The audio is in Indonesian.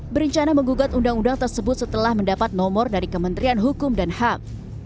berencana menggugat undang undang tersebut setelah mendapat nomor dari kementerian hukum dan ham